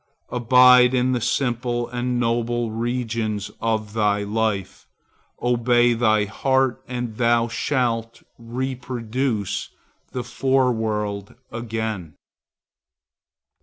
Abide in the simple and noble regions of thy life, obey thy heart and thou shalt reproduce the Foreworld again.